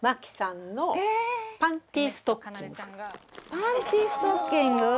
パンティストッキング？